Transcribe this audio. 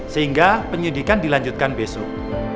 sehingga penyidikan dilanjutkan besok